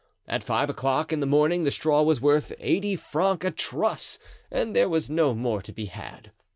At five o'clock in the morning the straw was worth eighty francs a truss and there was no more to be had.